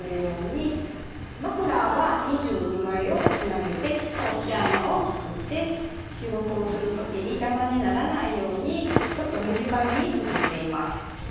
マフラーは２２枚をつなげて通し穴を作って仕事をする時に邪魔にならないようにちょっと短めに作っています。